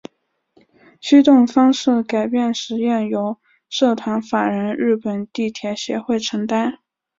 驱动方式改造试验由社团法人日本地铁协会承担。